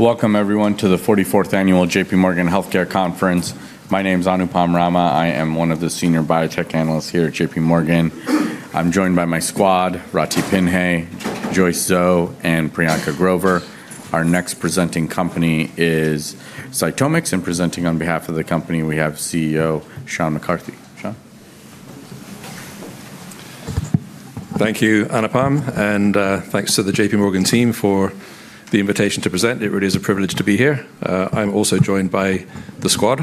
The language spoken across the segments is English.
Welcome, everyone, to the 44th Annual J.P. Morgan Healthcare Conference. My name is Anupam Rama. I am one of the Senior Biotech Analysts here at J.P. Morgan. I'm joined by my squad, Ratih Pinhey, Joyce Zhou, and Priyanka Grover. Our next presenting company is CytomX, and presenting on behalf of the company, we have CEO Sean McCarthy. Sean? Thank you, Anupam, and thanks to the J.P. Morgan team for the invitation to present. It really is a privilege to be here. I'm also joined by the squad,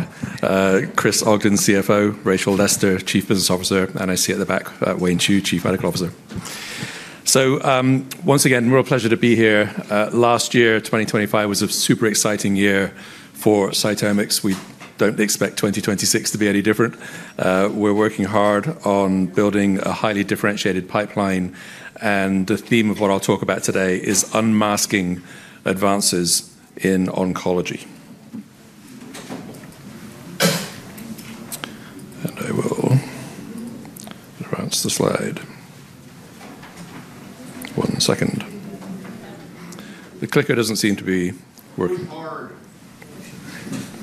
Chris Ogden, CFO, Rachel Lester, Chief Business Officer, and I see at the back Wayne Chu, Chief Medical Officer. So once again, real pleasure to be here. Last year, 2025, was a super exciting year for CytomX. We don't expect 2026 to be any different. We're working hard on building a highly differentiated pipeline, and the theme of what I'll talk about today is unmasking advances in oncology. I will advance the slide. One second. The clicker doesn't seem to be working. Here.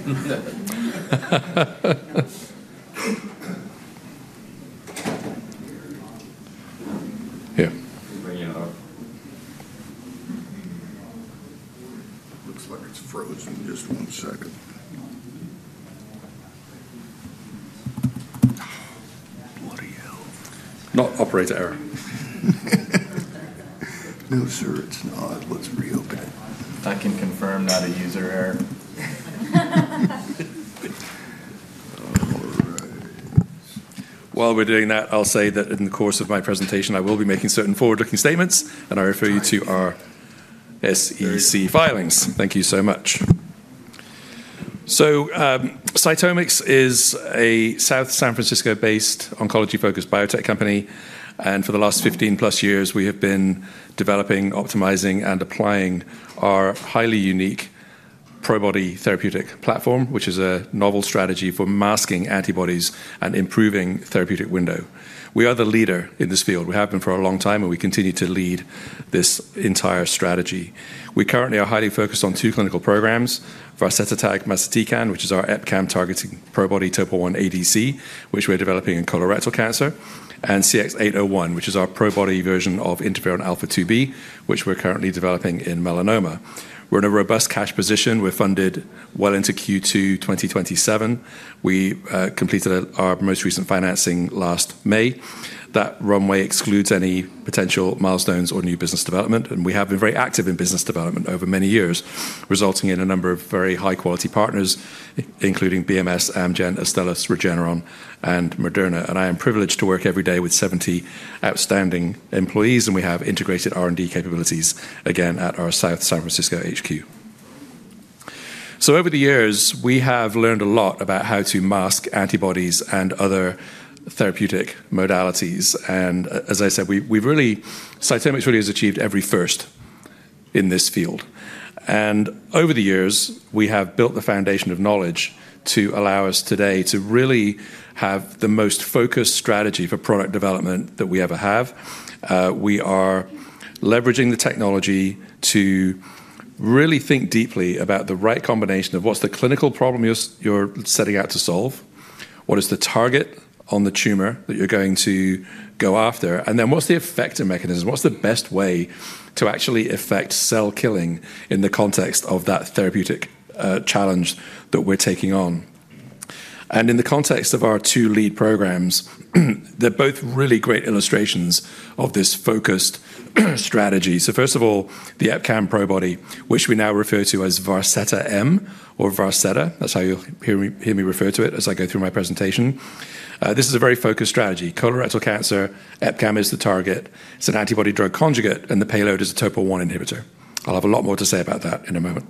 Looks like it's frozen. Just one second. What the hell? Not operator error. No, sir, it's not. Let's reopen it. I can confirm not a user error. All right. While we're doing that, I'll say that in the course of my presentation, I will be making certain forward-looking statements, and I refer you to our SEC filings. Thank you so much. CytomX is a South San Francisco-based, oncology-focused biotech company. For the last 15-plus years, we have been developing, optimizing, and applying our highly unique Probody therapeutic platform, which is a novel strategy for masking antibodies and improving the therapeutic window. We are the leader in this field. We have been for a long time, and we continue to lead this entire strategy. We currently are highly focused on two clinical programs: Vasetatag mazatecan, which is our EpCAM-targeting Probody Topo-1 ADC, which we're developing in colorectal cancer, and CX801, which is our Probody version of interferon alpha-2b, which we're currently developing in melanoma. We're in a robust cash position. We're funded well into Q2 2027. We completed our most recent financing last May. That runway excludes any potential milestones or new business development, and we have been very active in business development over many years, resulting in a number of very high-quality partners, including BMS, Amgen, Astellas, Regeneron, and Moderna, and I am privileged to work every day with 70 outstanding employees, and we have integrated R&D capabilities, again, at our South San Francisco HQ, so over the years, we have learned a lot about how to mask antibodies and other therapeutic modalities, and as I said, CytomX really has achieved every first in this field, and over the years, we have built the foundation of knowledge to allow us today to really have the most focused strategy for product development that we ever have. We are leveraging the technology to really think deeply about the right combination of what's the clinical problem you're setting out to solve, what is the target on the tumor that you're going to go after, and then what's the effector mechanism? What's the best way to actually effect cell killing in the context of that therapeutic challenge that we're taking on? And in the context of our two lead programs, they're both really great illustrations of this focused strategy. So first of all, the EpCAM Probody, which we now refer to as Vaseta M or Vaseta. That's how you'll hear me refer to it as I go through my presentation. This is a very focused strategy. Colorectal cancer, EpCAM is the target. It's an antibody-drug conjugate, and the payload is a Topo-1 inhibitor. I'll have a lot more to say about that in a moment.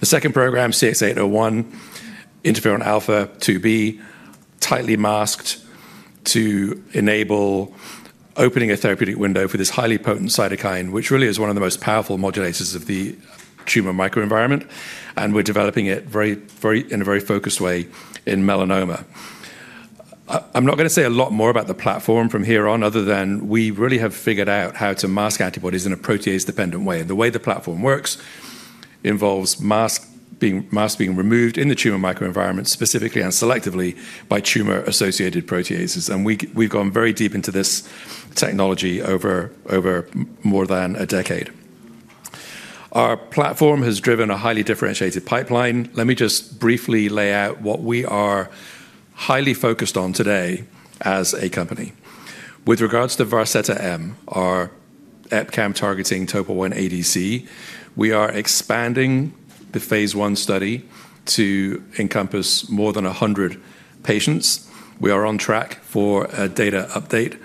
The second program, CX801, Interferon Alpha 2B, tightly masked to enable opening a therapeutic window for this highly potent cytokine, which really is one of the most powerful modulators of the tumor microenvironment. And we're developing it in a very focused way in melanoma. I'm not going to say a lot more about the platform from here on other than we really have figured out how to mask antibodies in a protease-dependent way. And the way the platform works involves masks being removed in the tumor microenvironment specifically and selectively by tumor-associated proteases. And we've gone very deep into this technology over more than a decade. Our platform has driven a highly differentiated pipeline. Let me just briefly lay out what we are highly focused on today as a company. With regards to Vaseta M, our EpCAM-targeting Topo-1 ADC, we are expanding the phase one study to encompass more than 100 patients. We are on track for a data update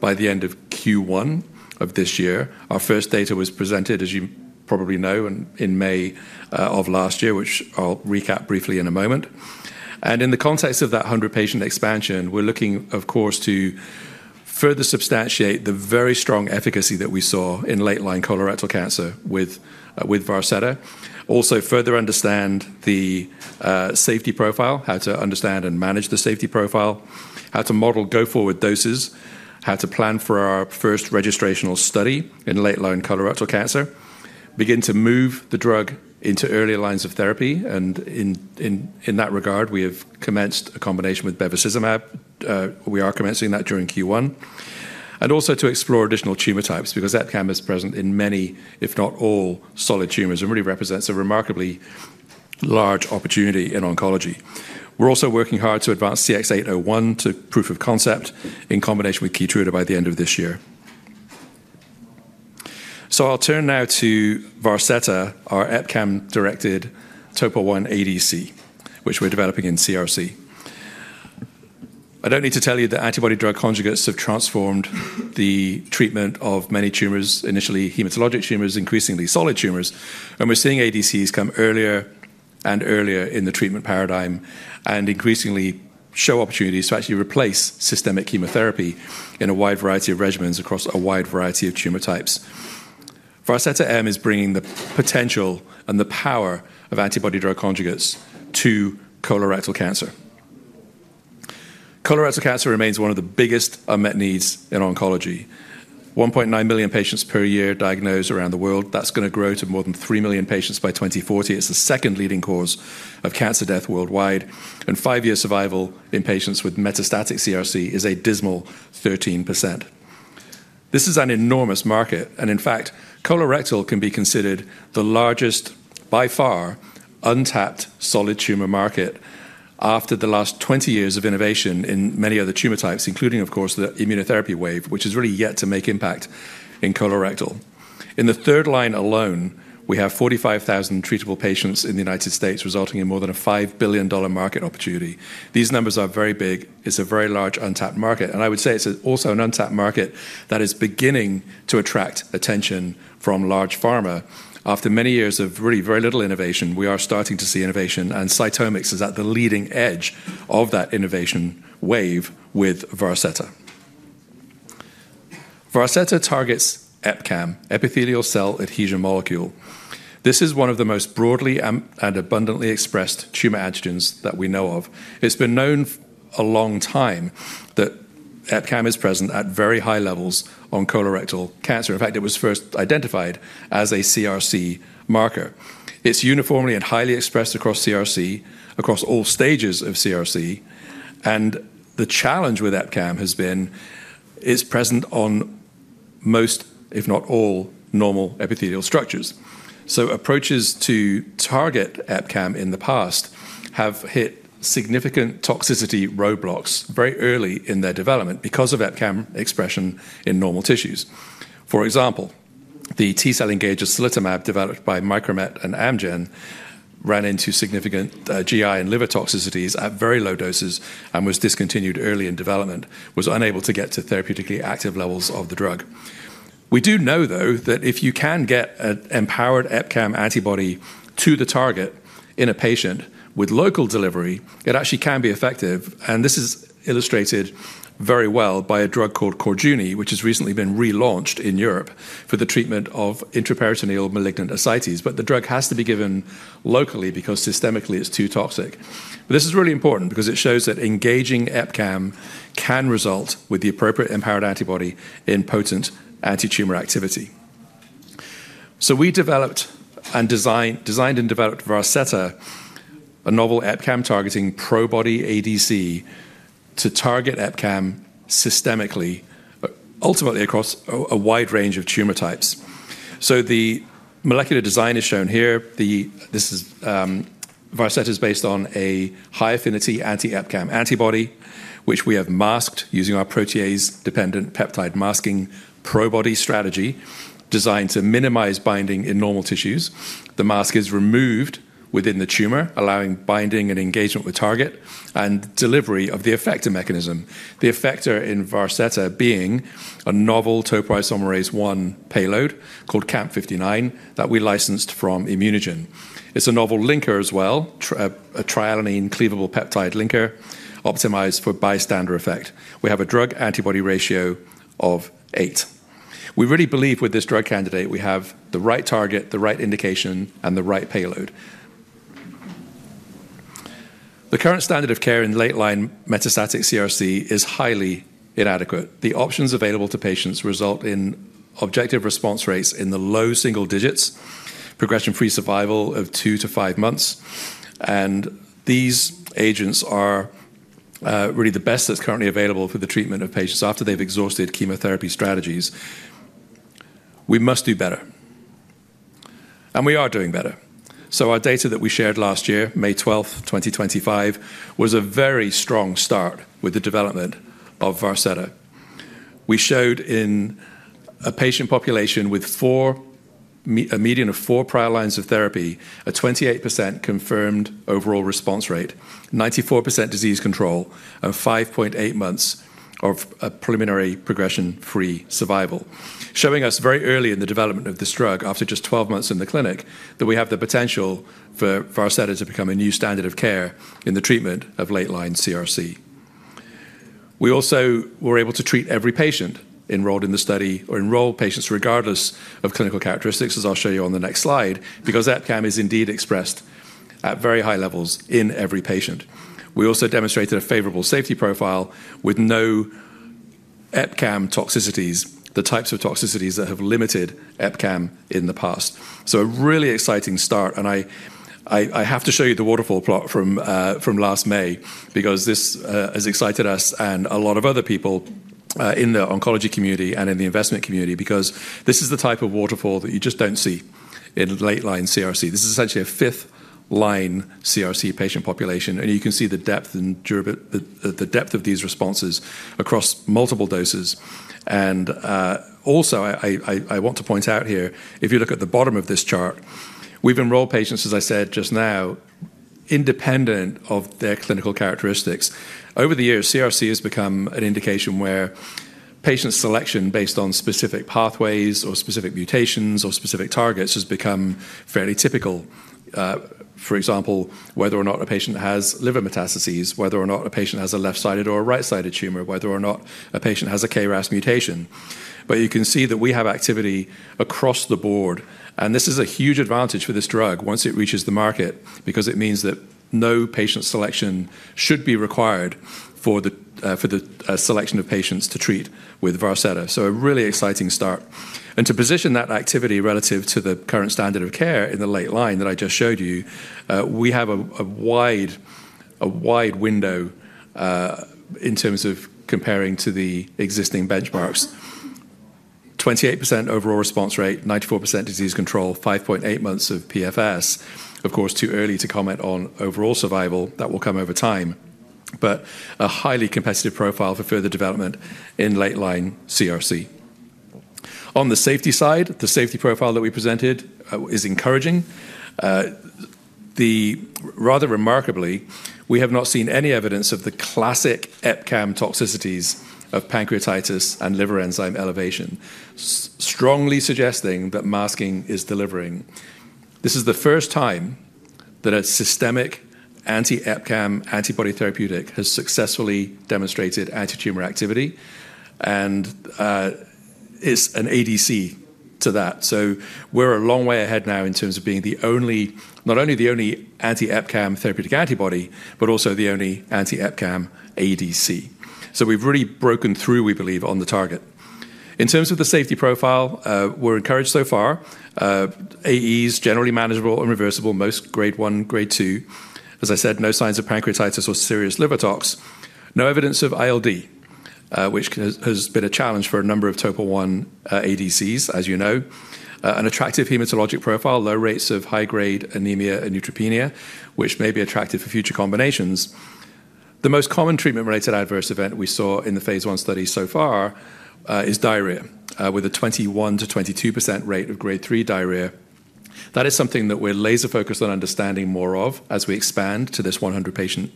by the end of Q1 of this year. Our first data was presented, as you probably know, in May of last year, which I'll recap briefly in a moment. In the context of that 100-patient expansion, we're looking, of course, to further substantiate the very strong efficacy that we saw in late-line colorectal cancer with Vaseta. Also, further understand the safety profile, how to understand and manage the safety profile, how to model go-forward doses, how to plan for our first registrational study in late-line colorectal cancer, begin to move the drug into earlier lines of therapy. In that regard, we have commenced a combination with bevacizumab. We are commencing that during Q1. Also to explore additional tumor types because EpCAM is present in many, if not all, solid tumors and really represents a remarkably large opportunity in oncology. We're also working hard to advance CX801 to proof of concept in combination with Keytruda by the end of this year. I'll turn now to Vaseta, our EpCAM-directed Topo-1 ADC, which we're developing in CRC. I don't need to tell you that antibody-drug conjugates have transformed the treatment of many tumors, initially hematologic tumors, increasingly solid tumors. We're seeing ADCs come earlier and earlier in the treatment paradigm and increasingly show opportunities to actually replace systemic chemotherapy in a wide variety of regimens across a wide variety of tumor types. Vaseta M is bringing the potential and the power of antibody-drug conjugates to colorectal cancer. Colorectal cancer remains one of the biggest unmet needs in oncology. 1.9 million patients per year diagnosed around the world. That's going to grow to more than 3 million patients by 2040. It's the second leading cause of cancer death worldwide, and five-year survival in patients with metastatic CRC is a dismal 13%. This is an enormous market, and in fact, colorectal can be considered the largest, by far, untapped solid tumor market after the last 20 years of innovation in many other tumor types, including, of course, the immunotherapy wave, which has really yet to make impact in colorectal. In the third line alone, we have 45,000 treatable patients in the United States, resulting in more than a $5 billion market opportunity. These numbers are very big. It's a very large untapped market, and I would say it's also an untapped market that is beginning to attract attention from large pharma. After many years of really very little innovation, we are starting to see innovation. And CytomX is at the leading edge of that innovation wave with Vaseta. Vaseta targets EpCAM, epithelial cell adhesion molecule. This is one of the most broadly and abundantly expressed tumor antigens that we know of. It's been known a long time that EpCAM is present at very high levels on colorectal cancer. In fact, it was first identified as a CRC marker. It's uniformly and highly expressed across CRC, across all stages of CRC. And the challenge with EpCAM has been it's present on most, if not all, normal epithelial structures. So approaches to target EpCAM in the past have hit significant toxicity roadblocks very early in their development because of EpCAM expression in normal tissues. For example, the T-cell engager solitomab developed by Micromet and Amgen ran into significant GI and liver toxicities at very low doses and was discontinued early in development, was unable to get to therapeutically active levels of the drug. We do know, though, that if you can get an empowered EpCAM antibody to the target in a patient with local delivery, it actually can be effective. And this is illustrated very well by a drug called catumaxomab, which has recently been relaunched in Europe for the treatment of intraperitoneal malignant ascites. But the drug has to be given locally because systemically it's too toxic. But this is really important because it shows that engaging EpCAM can result with the appropriate empowered antibody in potent anti-tumor activity. So we developed and designed and developed Vaseta, a novel EpCAM-targeting Probody ADC to target EpCAM systemically, ultimately across a wide range of tumor types. So the molecular design is shown here. Vaseta is based on a high-affinity anti-EpCAM antibody, which we have masked using our protease-dependent peptide masking Probody strategy designed to minimize binding in normal tissues. The mask is removed within the tumor, allowing binding and engagement with target and delivery of the effector mechanism. The effector in Vaseta being a novel topoisomerase I payload called CAMP59 that we licensed from ImmunoGen. It's a novel linker as well, a trialanine cleavable peptide linker optimized for bystander effect. We have a drug-antibody ratio of eight. We really believe with this drug candidate, we have the right target, the right indication, and the right payload. The current standard of care in late-line metastatic CRC is highly inadequate. The options available to patients result in objective response rates in the low single digits, progression-free survival of two to five months, and these agents are really the best that's currently available for the treatment of patients after they've exhausted chemotherapy strategies. We must do better, and we are doing better, so our data that we shared last year, May 12, 2025, was a very strong start with the development of Vaseta. We showed in a patient population with a median of four prior lines of therapy, a 28% confirmed overall response rate, 94% disease control, and 5.8 months of preliminary progression-free survival, showing us very early in the development of this drug, after just 12 months in the clinic, that we have the potential for Vaseta to become a new standard of care in the treatment of late-line CRC. We also were able to treat every patient enrolled in the study or enroll patients regardless of clinical characteristics, as I'll show you on the next slide, because EpCAM is indeed expressed at very high levels in every patient. We also demonstrated a favorable safety profile with no EpCAM toxicities, the types of toxicities that have limited EpCAM in the past. So a really exciting start. And I have to show you the waterfall plot from last May because this has excited us and a lot of other people in the oncology community and in the investment community because this is the type of waterfall that you just don't see in late-line CRC. This is essentially a fifth-line CRC patient population. And you can see the depth of these responses across multiple doses. Also, I want to point out here, if you look at the bottom of this chart, we've enrolled patients, as I said just now, independent of their clinical characteristics. Over the years, CRC has become an indication where patient selection based on specific pathways or specific mutations or specific targets has become fairly typical. For example, whether or not a patient has liver metastases, whether or not a patient has a left-sided or a right-sided tumor, whether or not a patient has a KRAS mutation. But you can see that we have activity across the board. And this is a huge advantage for this drug once it reaches the market because it means that no patient selection should be required for the selection of patients to treat with Vaseta. So a really exciting start. And to position that activity relative to the current standard of care in the late line that I just showed you, we have a wide window in terms of comparing to the existing benchmarks. 28% overall response rate, 94% disease control, 5.8 months of PFS. Of course, too early to comment on overall survival. That will come over time. But a highly competitive profile for further development in late-line CRC. On the safety side, the safety profile that we presented is encouraging. Rather remarkably, we have not seen any evidence of the classic EpCAM toxicities of pancreatitis and liver enzyme elevation, strongly suggesting that masking is delivering. This is the first time that a systemic anti-EpCAM antibody therapeutic has successfully demonstrated anti-tumor activity, and it's an ADC to that. So we're a long way ahead now in terms of being not only the only anti-EpCAM therapeutic antibody, but also the only anti-EpCAM ADC. So we've really broken through, we believe, on the target. In terms of the safety profile, we're encouraged so far. AEs generally manageable and reversible, most grade one, grade two. As I said, no signs of pancreatitis or serious liver tox. No evidence of ILD, which has been a challenge for a number of Topo-1 ADCs, as you know. An attractive hematologic profile, low rates of high-grade anemia and neutropenia, which may be attractive for future combinations. The most common treatment-related adverse event we saw in the phase one study so far is diarrhea with a 21% to 22% rate of grade three diarrhea. That is something that we're laser-focused on understanding more of as we expand to this 100-patient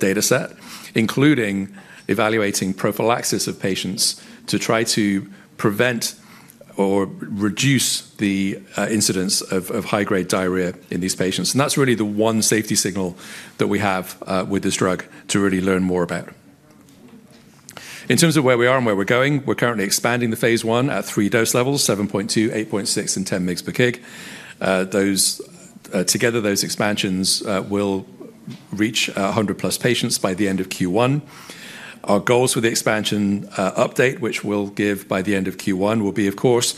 data set, including evaluating prophylaxis of patients to try to prevent or reduce the incidence of high-grade diarrhea in these patients. And that's really the one safety signal that we have with this drug to really learn more about. In terms of where we are and where we're going, we're currently expanding the phase I at three dose levels, 7.2, 8.6, and 10 mg per kg. Together, those expansions will reach 100-plus patients by the end of Q1. Our goals with the expansion update, which we'll give by the end of Q1, will be, of course,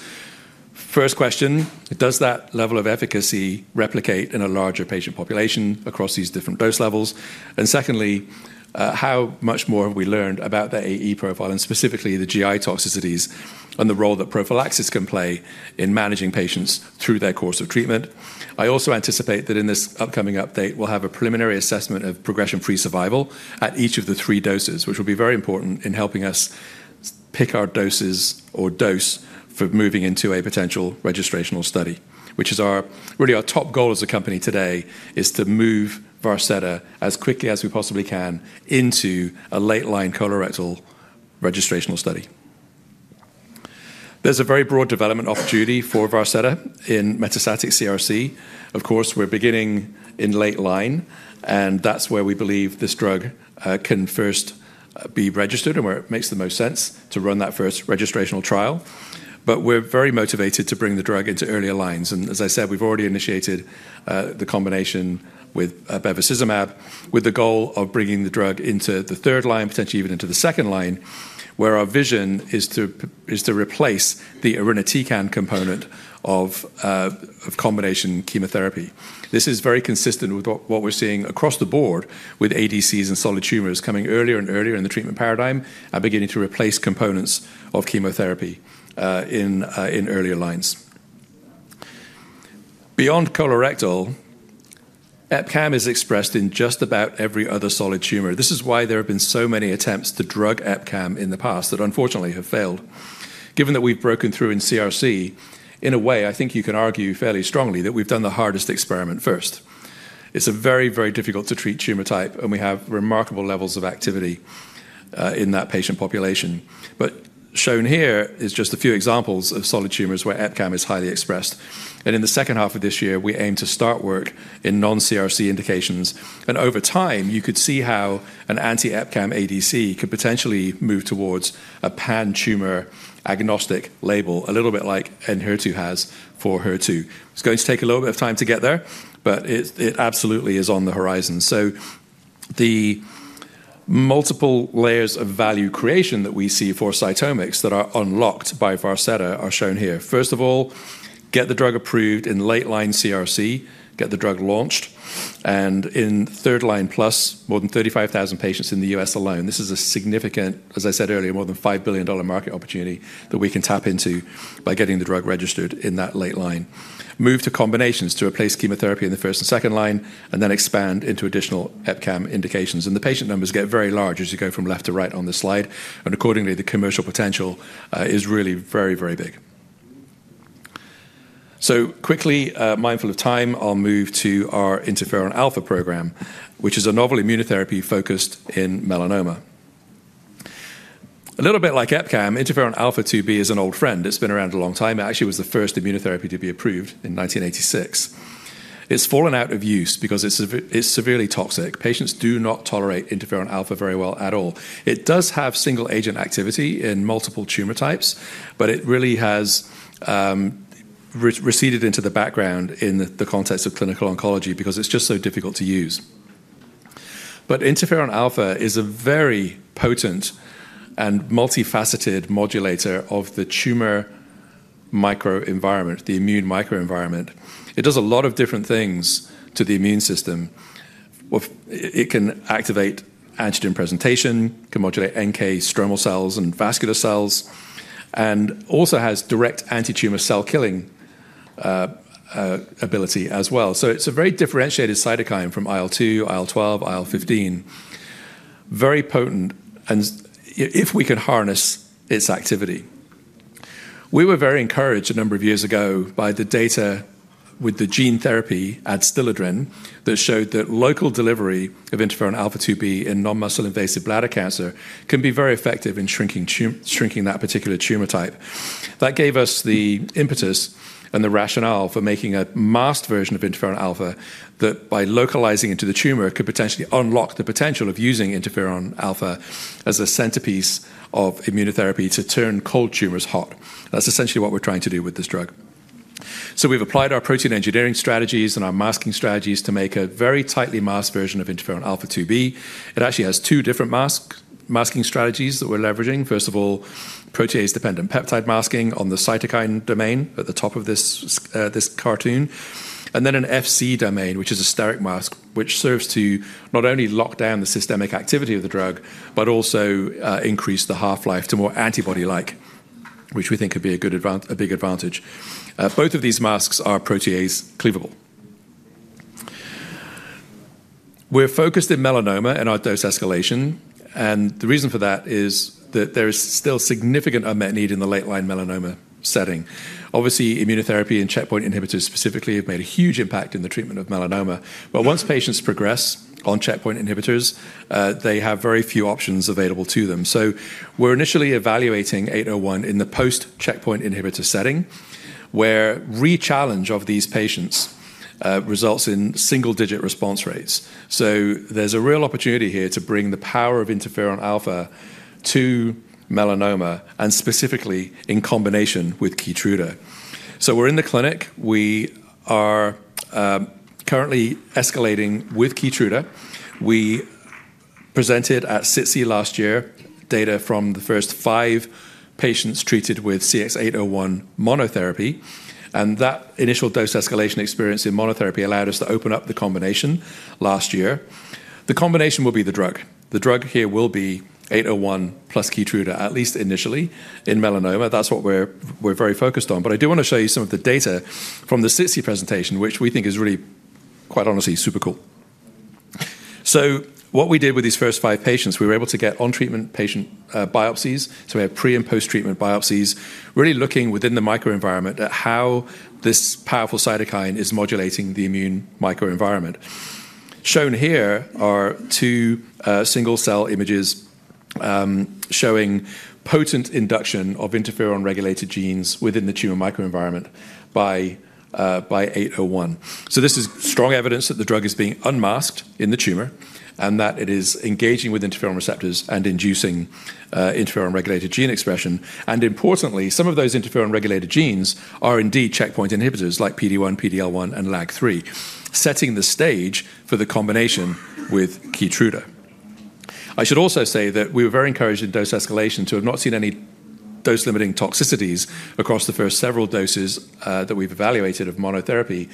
first question, does that level of efficacy replicate in a larger patient population across these different dose levels? Secondly, how much more have we learned about the AE profile and specifically the GI toxicities and the role that prophylaxis can play in managing patients through their course of treatment? I also anticipate that in this upcoming update, we'll have a preliminary assessment of progression-free survival at each of the three doses, which will be very important in helping us pick our doses or dose for moving into a potential registrational study, which is really our top goal as a company today, is to move Vaseta as quickly as we possibly can into a late-line colorectal registrational study. There's a very broad development opportunity for Vaseta in metastatic CRC. Of course, we're beginning in late line, and that's where we believe this drug can first be registered and where it makes the most sense to run that first registrational trial. But we're very motivated to bring the drug into earlier lines, and as I said, we've already initiated the combination with Bevacizumab with the goal of bringing the drug into the third line, potentially even into the second line, where our vision is to replace the Irinotecan component of combination chemotherapy. This is very consistent with what we're seeing across the board with ADCs and solid tumors coming earlier and earlier in the treatment paradigm and beginning to replace components of chemotherapy in earlier lines. Beyond colorectal, EpCAM is expressed in just about every other solid tumor. This is why there have been so many attempts to drug EpCAM in the past that unfortunately have failed. Given that we've broken through in CRC, in a way, I think you can argue fairly strongly that we've done the hardest experiment first. It's a very, very difficult to treat tumor type, and we have remarkable levels of activity in that patient population. But shown here is just a few examples of solid tumors where EpCAM is highly expressed. And in the second half of this year, we aim to start work in non-CRC indications. And over time, you could see how an anti-EpCAM ADC could potentially move towards a pan-tumor agnostic label, a little bit like Enhertu has for HER2. It's going to take a little bit of time to get there, but it absolutely is on the horizon. So the multiple layers of value creation that we see for CytomX that are unlocked by Vaseta are shown here. First of all, get the drug approved in late-line CRC, get the drug launched. And in third line plus, more than 35,000 patients in the U.S. alone, this is a significant, as I said earlier, more than $5 billion market opportunity that we can tap into by getting the drug registered in that late line. Move to combinations to replace chemotherapy in the first and second line and then expand into additional EpCAM indications. And the patient numbers get very large as you go from left to right on this slide. And accordingly, the commercial potential is really very, very big. So quickly, mindful of time, I'll move to our interferon alpha program, which is a novel immunotherapy focused in melanoma. A little bit like EpCAM, interferon alpha-2b is an old friend. It's been around a long time. It actually was the first immunotherapy to be approved in 1986. It's fallen out of use because it's severely toxic. Patients do not tolerate interferon alpha very well at all. It does have single-agent activity in multiple tumor types, but it really has receded into the background in the context of clinical oncology because it's just so difficult to use. But interferon alpha is a very potent and multifaceted modulator of the tumor microenvironment, the immune microenvironment. It does a lot of different things to the immune system. It can activate antigen presentation, can modulate NK stromal cells and vascular cells, and also has direct anti-tumor cell killing ability as well. So it's a very differentiated cytokine from IL2, IL12, IL15. Very potent. And if we can harness its activity, we were very encouraged a number of years ago by the data with the gene therapy Adstiladrin that showed that local delivery of interferon alpha-2b in non-muscle invasive bladder cancer can be very effective in shrinking that particular tumor type. That gave us the impetus and the rationale for making a masked version of interferon alpha that, by localizing into the tumor, could potentially unlock the potential of using interferon alpha as a centerpiece of immunotherapy to turn cold tumors hot. That's essentially what we're trying to do with this drug. So we've applied our protein engineering strategies and our masking strategies to make a very tightly masked version of interferon alpha-2b. It actually has two different masking strategies that we're leveraging. First of all, protease-dependent peptide masking on the cytokine domain at the top of this cartoon, and then an Fc domain, which is a steric mask, which serves to not only lock down the systemic activity of the drug, but also increase the half-life to more antibody-like, which we think could be a big advantage. Both of these masks are protease-cleavable. We're focused in melanoma and our dose escalation, and the reason for that is that there is still significant unmet need in the late-line melanoma setting. Obviously, immunotherapy and checkpoint inhibitors specifically have made a huge impact in the treatment of melanoma, but once patients progress on checkpoint inhibitors, they have very few options available to them. So we're initially evaluating 801 in the post-checkpoint inhibitor setting, where re-challenge of these patients results in single-digit response rates. There's a real opportunity here to bring the power of interferon alpha to melanoma and specifically in combination with Keytruda. We're in the clinic. We are currently escalating with Keytruda. We presented at SITC last year data from the first five patients treated with CX801 monotherapy. That initial dose escalation experience in monotherapy allowed us to open up the combination last year. The combination will be the drug. The drug here will be 801 plus Keytruda, at least initially in melanoma. That's what we're very focused on. I do want to show you some of the data from the SITC presentation, which we think is really, quite honestly, super cool. What we did with these first five patients, we were able to get on-treatment patient biopsies. We have pre- and post-treatment biopsies, really looking within the microenvironment at how this powerful cytokine is modulating the immune microenvironment. Shown here are two single-cell images showing potent induction of interferon-regulated genes within the tumor microenvironment by 801. This is strong evidence that the drug is being unmasked in the tumor and that it is engaging with interferon receptors and inducing interferon-regulated gene expression. Importantly, some of those interferon-regulated genes are indeed checkpoint inhibitors like PD-1, PD-L1, and LAG-3, setting the stage for the combination with Keytruda. I should also say that we were very encouraged in dose escalation to have not seen any dose-limiting toxicities across the first several doses that we've evaluated of monotherapy.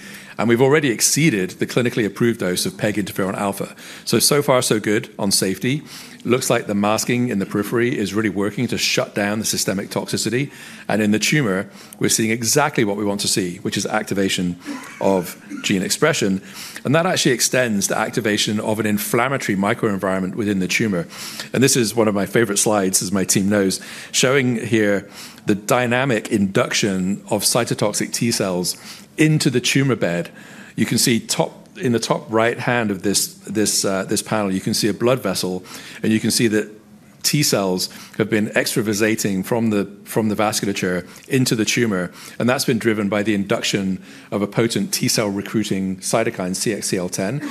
We've already exceeded the clinically approved dose of PEG interferon alpha. So far, so good on safety. Looks like the masking in the periphery is really working to shut down the systemic toxicity, and in the tumor, we're seeing exactly what we want to see, which is activation of gene expression. That actually extends the activation of an inflammatory microenvironment within the tumor. This is one of my favorite slides, as my team knows, showing here the dynamic induction of cytotoxic T cells into the tumor bed. You can see in the top right hand of this panel, you can see a blood vessel, and you can see that T cells have been extravasating from the vasculature into the tumor. That's been driven by the induction of a potent T cell recruiting cytokine, CXCL10,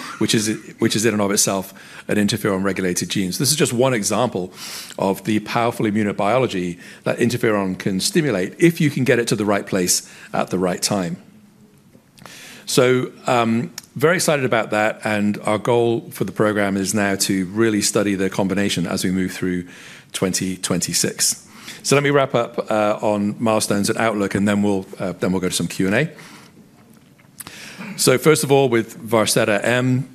which is in and of itself an interferon-regulated gene. This is just one example of the powerful immunobiology that interferon can stimulate if you can get it to the right place at the right time. Very excited about that. Our goal for the program is now to really study the combination as we move through 2026. Let me wrap up on milestones and outlook, and then we'll go to some Q&A. First of all, with Vaseta M,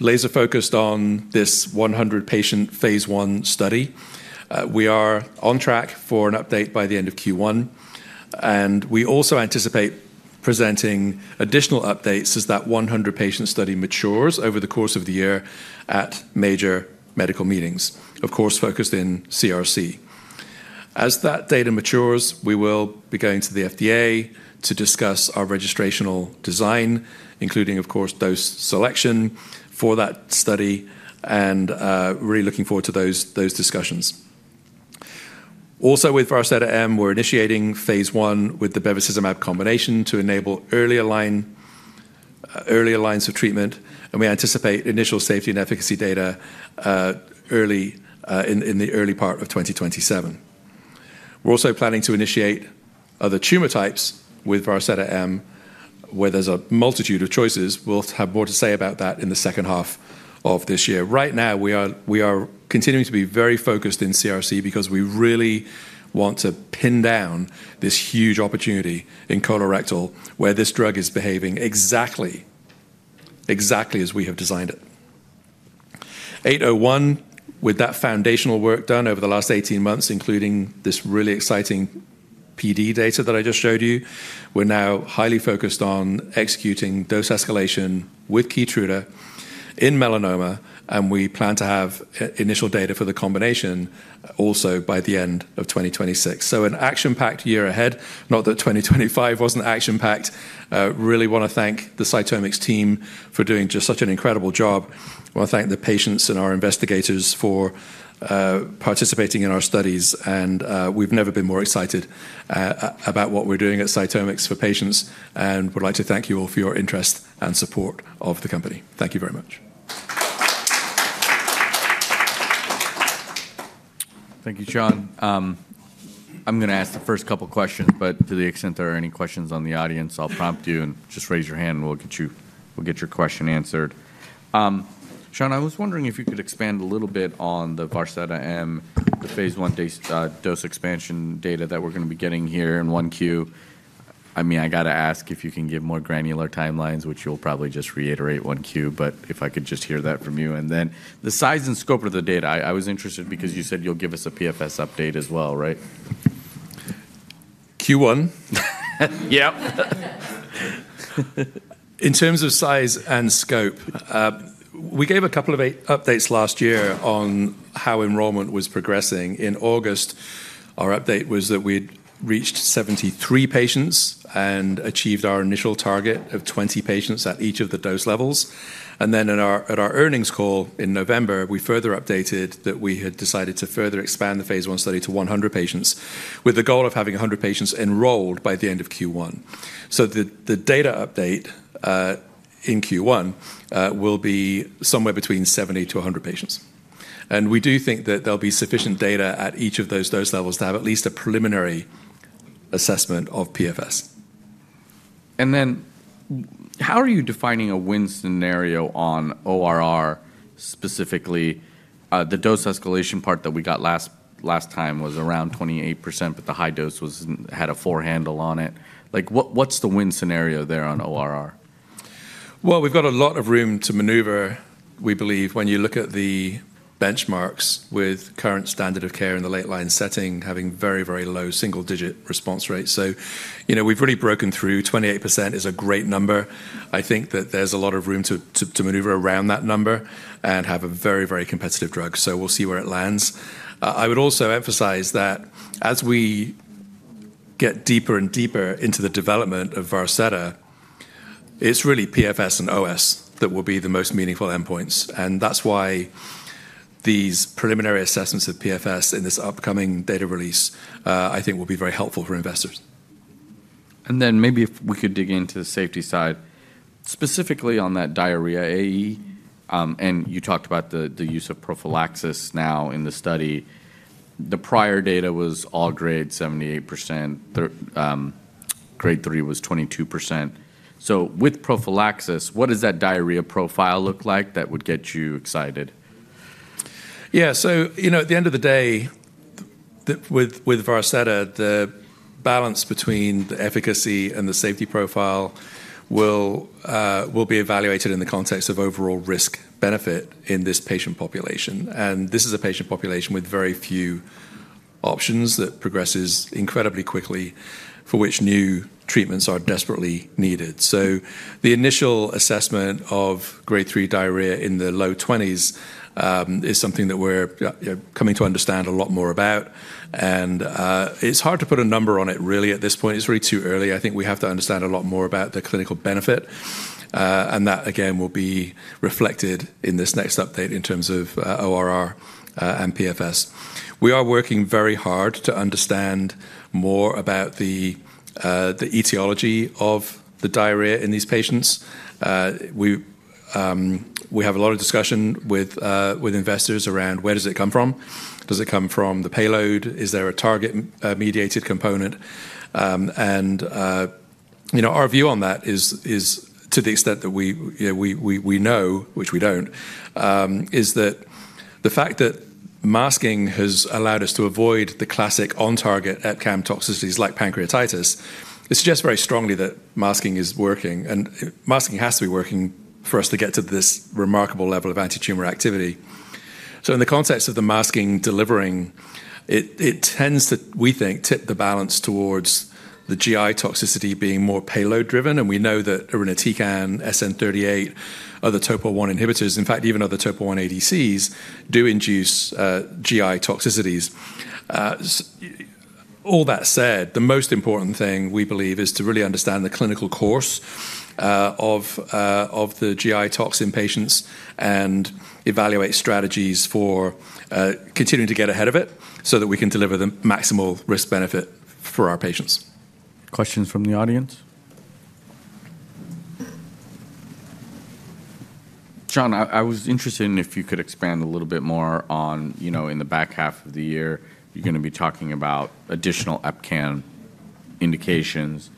laser-focused on this 100-patient phase I study, we are on track for an update by the end of Q1. We also anticipate presenting additional updates as that 100-patient study matures over the course of the year at major medical meetings, of course, focused in CRC. As that data matures, we will be going to the FDA to discuss our registrational design, including, of course, dose selection for that study, and really looking forward to those discussions. Also, with Vaseta M, we're initiating phase I with the bevacizumab combination to enable earlier lines of treatment. And we anticipate initial safety and efficacy data in the early part of 2027. We're also planning to initiate other tumor types with Vaseta M, where there's a multitude of choices. We'll have more to say about that in the second half of this year. Right now, we are continuing to be very focused in CRC because we really want to pin down this huge opportunity in colorectal where this drug is behaving exactly as we have designed it. CX-801, with that foundational work done over the last 18 months, including this really exciting PD data that I just showed you, we're now highly focused on executing dose escalation with Keytruda in melanoma. And we plan to have initial data for the combination also by the end of 2026. So an action-packed year ahead. Not that 2025 wasn't action-packed. Really want to thank the CytomX team for doing just such an incredible job. I want to thank the patients and our investigators for participating in our studies. And we've never been more excited about what we're doing at CytomX for patients. And we'd like to thank you all for your interest and support of the company. Thank you very much. Thank you, Sean. I'm going to ask the first couple of questions, but to the extent there are any questions from the audience, I'll prompt you and just raise your hand and we'll get your question answered. Sean, I was wondering if you could expand a little bit on the Vaseta M, the phase I dose expansion data that we're going to be getting here in 1Q. I mean, I got to ask if you can give more granular timelines, which you'll probably just reiterate 1Q, but if I could just hear that from you. And then the size and scope of the data, I was interested because you said you'll give us a PFS update as well, right? Q1. Yep. In terms of size and scope, we gave a couple of updates last year on how enrollment was progressing. In August, our update was that we had reached 73 patients and achieved our initial target of 20 patients at each of the dose levels. And then at our earnings call in November, we further updated that we had decided to further expand the phase I study to 100 patients with the goal of having 100 patients enrolled by the end of Q1. So the data update in Q1 will be somewhere between 70-100 patients. And we do think that there'll be sufficient data at each of those dose levels to have at least a preliminary assessment of PFS. And then how are you defining a win scenario on ORR specifically? The dose escalation part that we got last time was around 28%, but the high dose had a foothold on it. What's the win scenario there on ORR? We've got a lot of room to maneuver, we believe, when you look at the benchmarks with current standard of care in the late-line setting having very, very low single-digit response rates. So we've really broken through. 28% is a great number. I think that there's a lot of room to maneuver around that number and have a very, very competitive drug. So we'll see where it lands. I would also emphasize that as we get deeper and deeper into the development of Vaseta, it's really PFS and OS that will be the most meaningful endpoints. And that's why these preliminary assessments of PFS in this upcoming data release, I think, will be very helpful for investors. And then maybe if we could dig into the safety side, specifically on that diarrhea AE, and you talked about the use of prophylaxis now in the study. The prior data was any grade 78%. Grade 3 was 22%. So with prophylaxis, what does that diarrhea profile look like that would get you excited? Yeah. So at the end of the day, with Vaseta, the balance between the efficacy and the safety profile will be evaluated in the context of overall risk-benefit in this patient population. And this is a patient population with very few options that progresses incredibly quickly, for which new treatments are desperately needed. So the initial assessment of grade 3 diarrhea in the low 20s is something that we're coming to understand a lot more about. And it's hard to put a number on it, really, at this point. It's really too early. I think we have to understand a lot more about the clinical benefit. And that, again, will be reflected in this next update in terms of ORR and PFS. We are working very hard to understand more about the etiology of the diarrhea in these patients. We have a lot of discussion with investors around where does it come from. Does it come from the payload? Is there a target-mediated component? And our view on that, to the extent that we know, which we don't, is that the fact that masking has allowed us to avoid the classic on-target EpCAM toxicities like pancreatitis, it suggests very strongly that masking is working. And masking has to be working for us to get to this remarkable level of anti-tumor activity. So in the context of the masking delivering, it tends to, we think, tip the balance towards the GI toxicity being more payload-driven. And we know that irinotecan, SN38, other topo-1 inhibitors, in fact, even other topo-1 ADCs do induce GI toxicities. All that said, the most important thing we believe is to really understand the clinical course of the GI toxin patients and evaluate strategies for continuing to get ahead of it so that we can deliver the maximal risk-benefit for our patients. Questions from the audience? Sean, I was interested in if you could expand a little bit more on, in the back half of the year, you're going to be talking about additional EpCAM indications.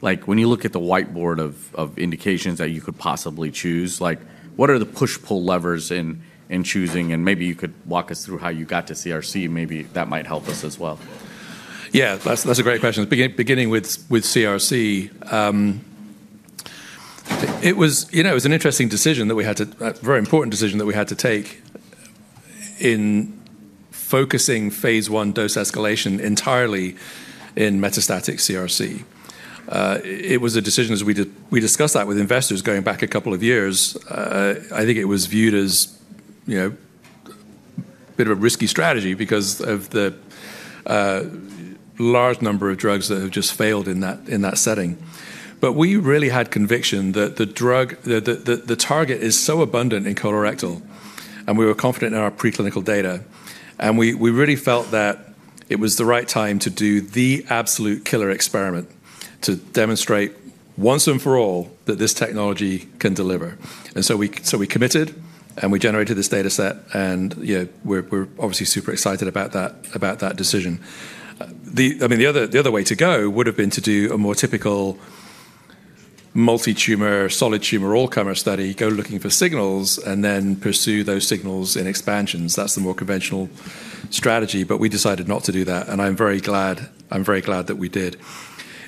When you look at the whiteboard of indications that you could possibly choose, what are the push-pull levers in choosing? And maybe you could walk us through how you got to CRC. Maybe that might help us as well. Yeah, that's a great question. Beginning with CRC, it was an interesting decision, a very important decision that we had to take in focusing phase I dose escalation entirely in metastatic CRC. It was a decision, as we discussed that with investors going back a couple of years, I think it was viewed as a bit of a risky strategy because of the large number of drugs that have just failed in that setting, but we really had conviction that the target is so abundant in colorectal, and we were confident in our preclinical data, and we really felt that it was the right time to do the absolute killer experiment to demonstrate once and for all that this technology can deliver, and so we committed, and we generated this data set, and we're obviously super excited about that decision. I mean, the other way to go would have been to do a more typical multi-tumor, solid tumor all-comer study, go looking for signals, and then pursue those signals in expansions. That's the more conventional strategy. But we decided not to do that. And I'm very glad that we did.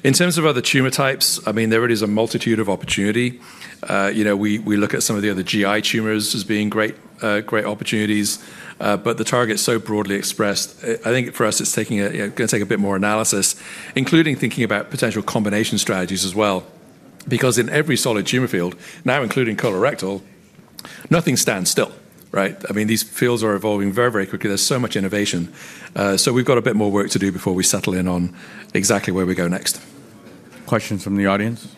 In terms of other tumor types, I mean, there really is a multitude of opportunity. We look at some of the other GI tumors as being great opportunities. But the target's so broadly expressed, I think for us, it's going to take a bit more analysis, including thinking about potential combination strategies as well. Because in every solid tumor field, now including colorectal, nothing stands still. I mean, these fields are evolving very, very quickly. There's so much innovation. So we've got a bit more work to do before we settle in on exactly where we go next. Questions from the audience?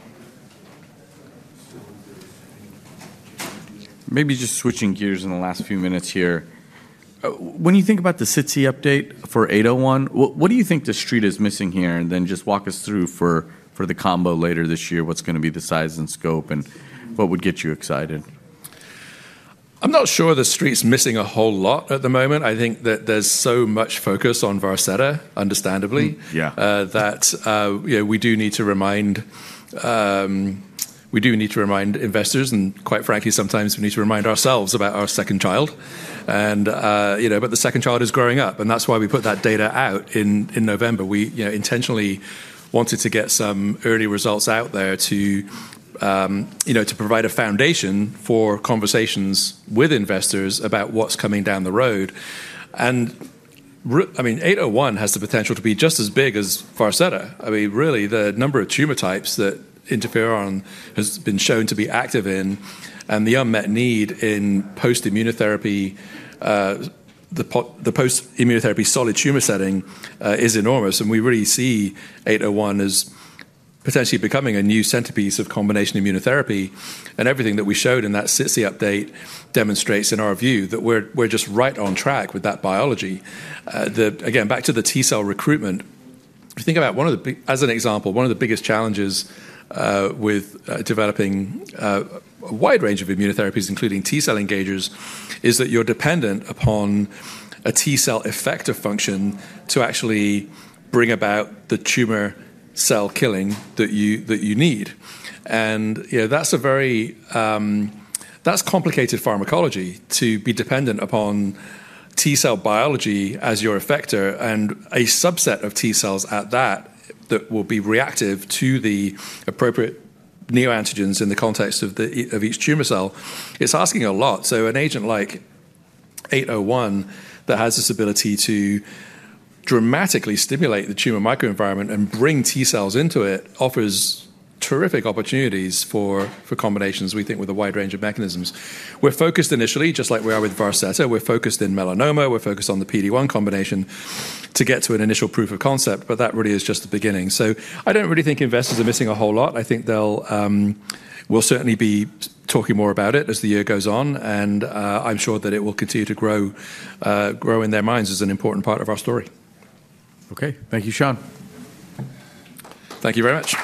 Maybe just switching gears in the last few minutes here. When you think about the CX update for 801, what do you think the street is missing here? And then just walk us through for the combo later this year, what's going to be the size and scope, and what would get you excited? I'm not sure the street's missing a whole lot at the moment. I think that there's so much focus on Vaseta, understandably, that we do need to remind investors. And quite frankly, sometimes we need to remind ourselves about our second child. But the second child is growing up. And that's why we put that data out in November. We intentionally wanted to get some early results out there to provide a foundation for conversations with investors about what's coming down the road. And I mean, 801 has the potential to be just as big as Vaseta. I mean, really, the number of tumor types that interferon has been shown to be active in, and the unmet need in post-immunotherapy, the post-immunotherapy solid tumor setting is enormous. And we really see 801 as potentially becoming a new centerpiece of combination immunotherapy. And everything that we showed in that CITSI update demonstrates, in our view, that we're just right on track with that biology. Again, back to the T-cell recruitment, as an example, one of the biggest challenges with developing a wide range of immunotherapies, including T-cell engagers, is that you're dependent upon a T-cell effector function to actually bring about the tumor cell killing that you need. And that's complicated pharmacology to be dependent upon T-cell biology as your effector and a subset of T-cells at that that will be reactive to the appropriate neoantigens in the context of each tumor cell. It's asking a lot. So an agent like 801 that has this ability to dramatically stimulate the tumor microenvironment and bring T-cells into it offers terrific opportunities for combinations, we think, with a wide range of mechanisms. We're focused initially, just like we are with Vaseta, we're focused in melanoma, we're focused on the PD1 combination to get to an initial proof of concept. But that really is just the beginning. So I don't really think investors are missing a whole lot. I think we'll certainly be talking more about it as the year goes on. And I'm sure that it will continue to grow in their minds as an important part of our story. Okay. Thank you, Sean. Thank you very much.